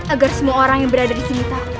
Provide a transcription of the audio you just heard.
agar semua orang yang berada disini tahu